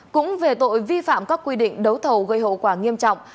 cũng về tội vi phạm các quy định đấu thầu gây hậu quả nghiêm trọng